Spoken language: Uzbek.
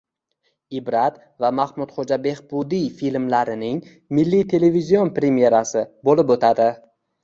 “Ibrat” va “Mahmudxo‘ja Behbudiy” filmlarining milliy televizion premerasi bo‘lib o‘tadi